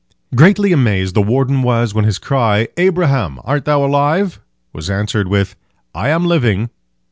Greatly amazed the warden was when his cry, "Abraham, art thou alive?" was answered with "I am living."